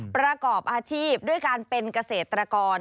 ประกอบอาชีพด้วยการเป็นเกษตรกร